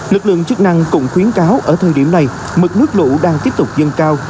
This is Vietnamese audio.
lực lượng chức năng cũng khuyến cáo ở thời điểm này mực nước lũ đang tiếp tục dâng cao